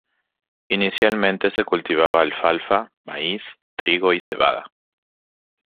Inicialmente se cultivaba alfalfa, maíz, trigo y cebada.